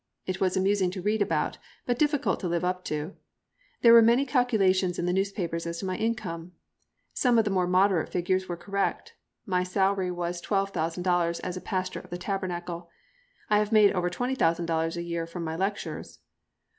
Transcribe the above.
It was amusing to read about, but difficult to live up to. There were many calculations in the newspapers as to my income. Some of the more moderate figures were correct. My salary was $12,000 as pastor of the Tabernacle, I have made over $20,000 a year from my lectures.